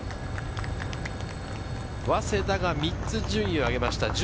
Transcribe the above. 早稲田が３つ順位を上げました。